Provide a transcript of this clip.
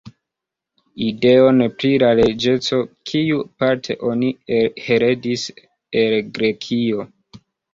Ideon, pri la reĝeco, kiu, parte, oni heredis el Grekio.